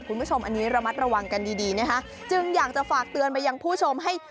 คุณผู้ชมอันนี้ระมัดระวังกันดีดีนะคะจึงอยากจะฝากเตือนไปยังผู้ชมให้